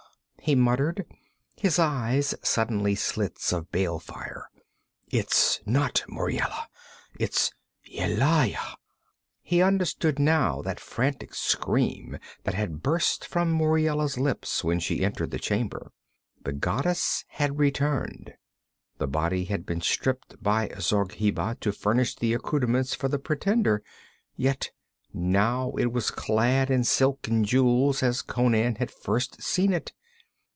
he muttered, his eyes suddenly slits of bale fire. 'It's not Muriela! It's Yelaya!' He understood now that frantic scream that had burst from Muriela's lips when she entered the chamber. The goddess had returned. The body had been stripped by Zargheba to furnish the accouterments for the pretender. Yet now it was clad in silk and jewels as Conan had first seen it.